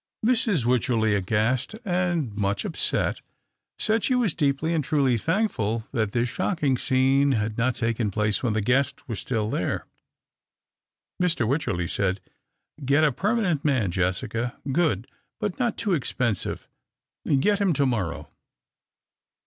Mrs. Wycherley, aghast and much upset, said she was deeply and truly thankful that this shocking scene had not taken place when the guests were still there. Mr. Wycherley said, " Get a permanent man, Jessica — good, but not too expensive. Get him to morrow."